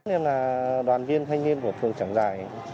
em là đoàn viên thanh niên của phường trảng giài